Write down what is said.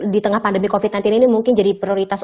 di tengah pandemi covid nanti ini mungkin jadi prioritas